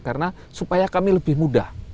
karena supaya kami lebih mudah